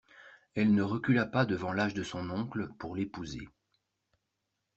Elle ne recula pas devant l'âge de son oncle, pour l'épouser.